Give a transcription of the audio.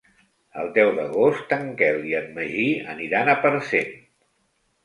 El deu d'agost en Quel i en Magí aniran a Parcent.